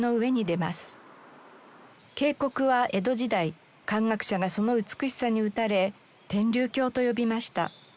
渓谷は江戸時代漢学者がその美しさに打たれ天龍峡と呼びました。